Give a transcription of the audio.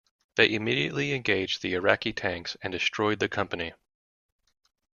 They immediately engaged the Iraqi tanks and destroyed the company.